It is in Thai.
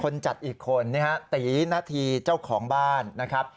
คนจัดอีกคนนะฮะตีณทีเจ้าของบ้านนะครับ